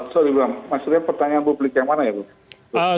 sorry bang maksudnya pertanyaan publik yang mana ya bu